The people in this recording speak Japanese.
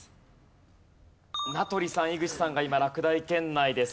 名取さん井口さんが今落第圏内です。